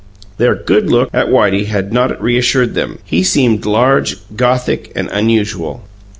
Their "good look" at Whitey had not reassured them he seemed large, Gothic and unusual.